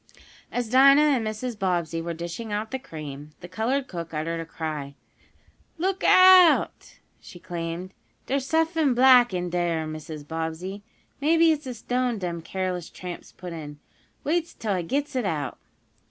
As Dinah and Mrs. Bobbsey were dishing out the cream, the colored cook uttered a cry. "Look out!" she exclaimed. "Dere's suffin black in dere, Mrs. Bobbsey. Maybe it's a stone dem careless tramps put in. Wait 'till I gits it out."